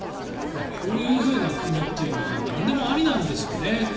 こういうふうな国というのはなんでもありなんですかね。